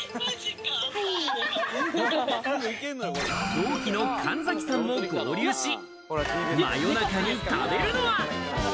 同期の神崎さんも合流し、夜中に食べるのは？